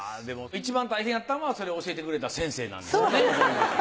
でもいちばん大変やったのはそれを教えてくれた先生なんですよね。